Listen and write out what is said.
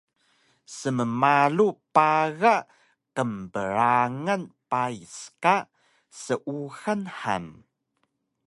Smmalu paga qbrangan pais ka seuxal han